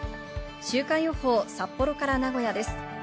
週間予報、札幌から名古屋です。